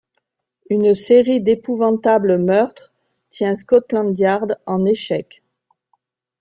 Une série d'épouvantables meurtres tient Scotland Yard en échec.